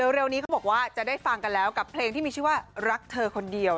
เร็วนี้เขาบอกว่าจะได้ฟังกันแล้วกับเพลงที่มีชื่อว่ารักเธอคนเดียว